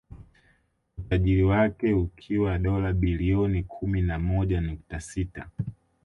Utajiri wake ukiwa dola bilioni kumi na moja nukta sita